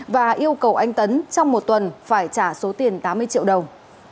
và yêu cầu anh tấn trong một tuần phải trả số tiền tám mươi triệu đồng